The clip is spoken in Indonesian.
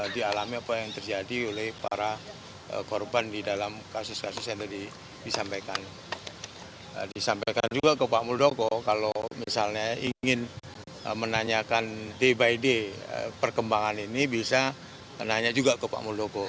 disampaikan juga ke pak muldoko kalau misalnya ingin menanyakan day by day perkembangan ini bisa nanya juga ke pak muldoko